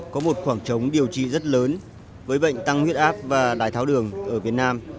có một khoảng trống điều trị rất lớn với bệnh tăng huyết áp và đái tháo đường ở việt nam